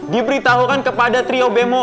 dia beritahu kan kepada trio bemo